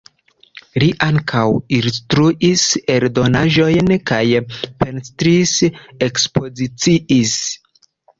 Li ankaŭ ilustris eldonaĵojn kaj pentris-ekspoziciis.